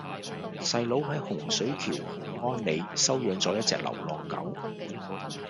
細佬喺洪水橋洪安里收養左一隻流浪狗